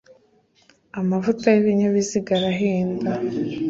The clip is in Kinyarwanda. amavuta y’ ibinyabiziga arahenda.